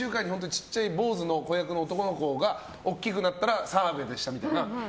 ちっちゃい坊主の子役の男の子が大きくなったら澤部でしたと。